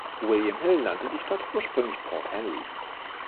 William Hill nannte die Stadt ursprünglich „Port Henry“.